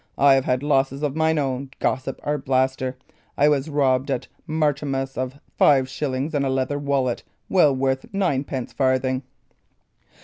"I have had losses of mine own, gossip Arblaster. I was robbed at Martinmas of five shillings and a leather wallet well worth ninepence farthing."